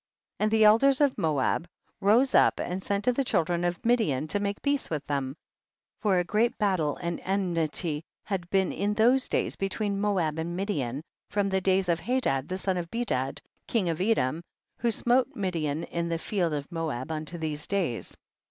38. And the elders of Moab rose up and sent to the children of Midian 254 THE BOOK OF JASHER. to make peace with them, for a great battle and enmity had been in those days between Moab and Midian, from the days of Hadad the son of Bedad king of Edom, who smote Midian in the field of Moab, unto these days.